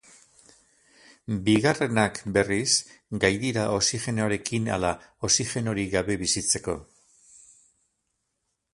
Bigarrenak, berriz, gai dira oxigenoarekin ala oxigenorik gabe bizitzeko.